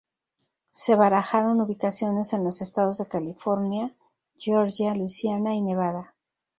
Se barajaron ubicaciones en los estados de California, Georgia, Louisiana y Nevada.